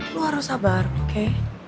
lo harus sabar oke